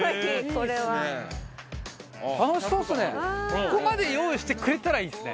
ここまで用意してくれたらいいですね。